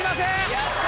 やった！